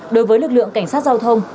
đối với lực lượng cảnh sát giao thông